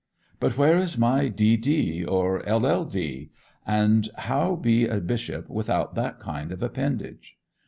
But where is my D.D. or LL.D.; and how be a bishop without that kind of appendage?